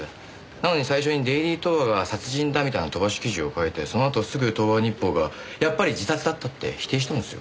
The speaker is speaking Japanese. なのに最初にデイリー東和が殺人だみたいな飛ばし記事を書いてそのあとすぐ東和日報がやっぱり自殺だったって否定してますよ。